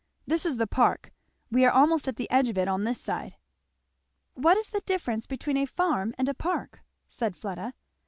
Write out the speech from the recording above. this is the park; we are almost at the edge of it on this side." "What is the difference between a farm and a park?" said Fleda.